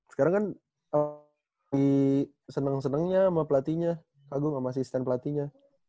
sekarang kan seneng senengnya sama pelatihnya kagum sama asisten pelatihnya